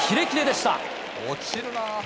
落ちるな。